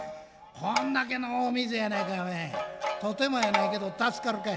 こんだけの大水やないかとてもやないけど助かるかい。